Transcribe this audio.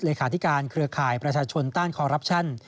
เลขาธิการเครือข่ายประชาชนต้านคอรับชัน